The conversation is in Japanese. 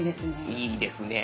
いいですねえ。